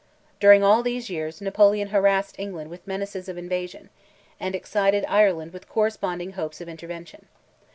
During all these years, Napoleon harassed England with menaces of invasion, and excited Ireland with corresponding hopes of intervention.